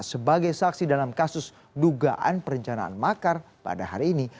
sebagai saksi dalam kasus dugaan perencanaan makar pada hari ini